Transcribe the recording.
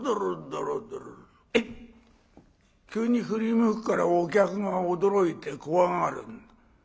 急に振り向くからお客が驚いて怖がるんだ。